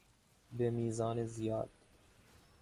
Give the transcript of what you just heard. به میزان زیاد